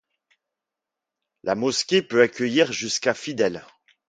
La mosquée peut accueillir jusqu'à fidèles.